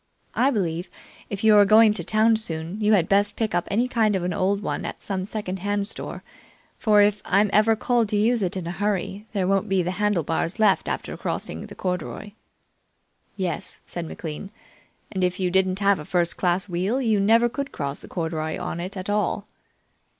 I believe, if you are going to town soon, you had best pick up any kind of an old one at some second hand store, for if I'm ever called to use it in a hurry there won't be the handlebars left after crossing the corduroy." "Yes," said McLean; "and if you didn't have a first class wheel, you never could cross the corduroy on it at all."